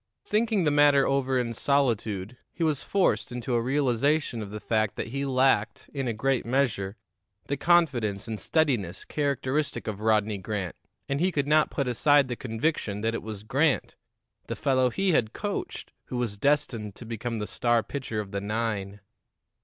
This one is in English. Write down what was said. Thinking the matter over in solitude, he was forced into a realization of the fact that he lacked, in a great measure, the confidence and steadiness characteristic of Rodney Grant, and he could not put aside the conviction that it was Grant, the fellow he had coached, who was destined to become the star pitcher of the nine.